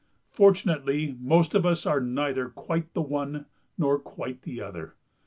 Fortunately most of us are neither quite the one nor quite the other.